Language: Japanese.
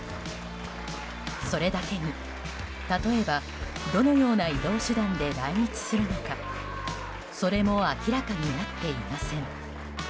それだけに例えばどのような移動手段で来日するのかそれも明らかになっていません。